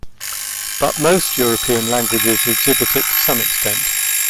But most European languages exhibit it to some extent.